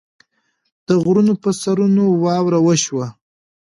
د غرونو پۀ سرونو واوره وشوه